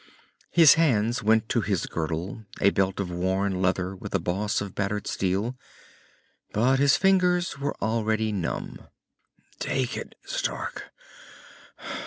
His hands went to his girdle, a belt of worn leather with a boss of battered steel. But his fingers were already numb. "Take it, Stark.